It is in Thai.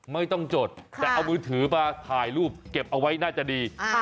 ไม่ต้องจดแต่เอามือถือมาถ่ายรูปเก็บเอาไว้น่าจะดี